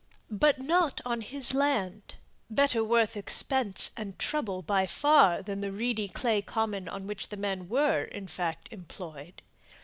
But not on his land better worth expense and trouble by far than the reedy clay common on which the men were, in fact, employed.